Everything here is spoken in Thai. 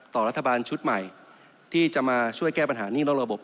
ต่อรัฐบาลชุดใหม่ที่จะมาช่วยแก้ปัญหาหนี้นอกระบบ